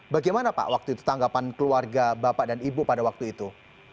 bagaimana pak waktu itu tanggapan keluarga bapak dan ibu pada waktu itu